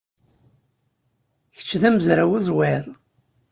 Kečč d amezraw uẓwir.